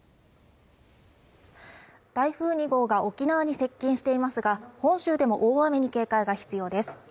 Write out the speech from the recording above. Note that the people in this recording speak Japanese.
台風２号が沖縄に接近していますが、本州でも大雨に警戒が必要です。